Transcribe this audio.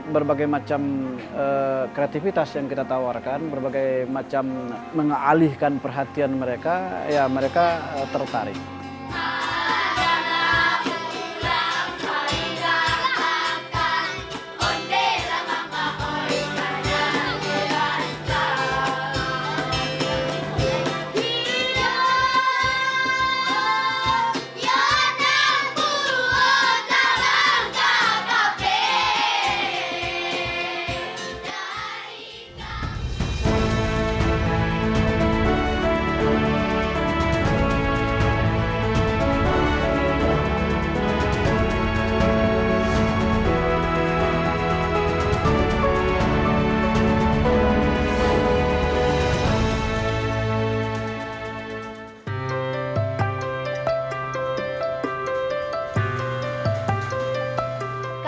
berbagai macam kreativitas yang kita tawarkan berbagai macam mengalihkan perhatian mereka ya mereka tertarik